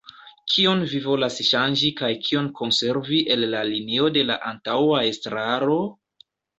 Kion vi volas ŝanĝi kaj kion konservi el la linio de la antaŭa estraro?